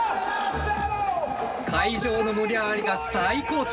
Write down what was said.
会場の盛り上がりが最高潮！